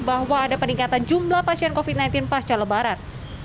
bahwa ada peningkatan jumlah pasien covid sembilan belas pasca lebaran